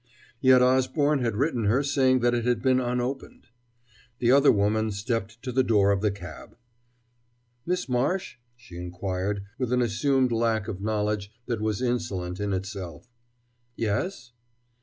Yet Osborne had written her saying that it had been unopened.... The other woman stepped to the door of the cab. "Miss Marsh?" she inquired, with an assumed lack of knowledge that was insolent in itself. "Yes."